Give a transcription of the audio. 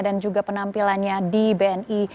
dan juga penampilannya di bni